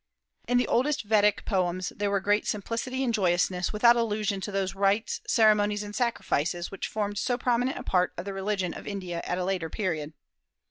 i. p. 46.] In the oldest Vedic poems there were great simplicity and joyousness, without allusion to those rites, ceremonies, and sacrifices which formed so prominent a part of the religion of India at a later period.